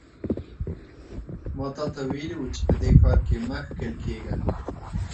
ما تاته ویلي وو چې په دې کار کې مه ښکېل کېږه.